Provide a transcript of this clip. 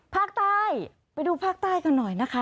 ภาคใต้ไปดูภาคใต้กันหน่อยนะคะ